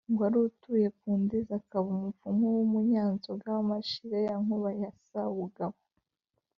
wari utuye ku ndiza akaba umupfumu n’umunyanzoga wa mashira ya nkuba ya sabugabo